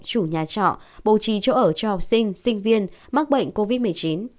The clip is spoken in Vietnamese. chủ nhà trọ bầu trí chỗ ở cho học sinh sinh viên mắc bệnh covid một mươi chín